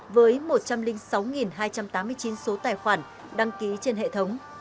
với một trăm linh sáu hai trăm tám mươi chín số tài khoản đăng ký trên hệ thống